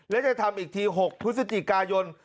และจะทำอีกที๖พฤศจิกายน